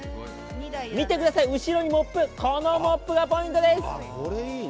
見てください、後ろにモップ、このモップがポイントです。